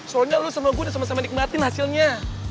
soalnya lu sama gue udah sama sama nikmatin hasilnya